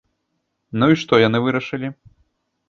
Ну і што яны вырашылі?